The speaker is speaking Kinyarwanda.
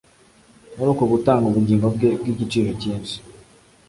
muri uko gutanga ubugingo bwe bw’igiciro cyinshi